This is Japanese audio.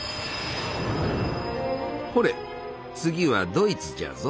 ほれ次はドイツじゃぞ。